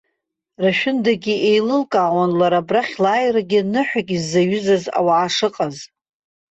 Рашәындагьы иеилылкаауан лара абрахь лааирагьы ныҳәак иззаҩызаз ауаа шыҟаз.